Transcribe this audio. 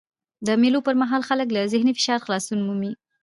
د مېلو پر مهال خلک له ذهني فشار خلاصون مومي.